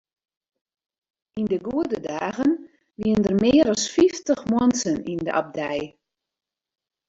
Yn de goede dagen wiene der mear as fyftich muontsen yn de abdij.